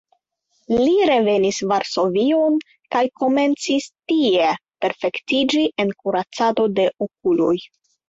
Li revenis Varsovion kaj komencis tie perfektiĝi en kuracado de okuloj.